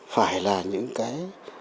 phải là những cái